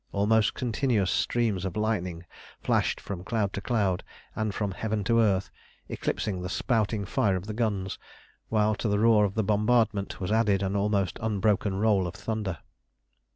Almost continuous streams of lightning flashed from cloud to cloud, and from heaven to earth, eclipsing the spouting fire of the guns, while to the roar of the bombardment was added an almost unbroken roll of thunder.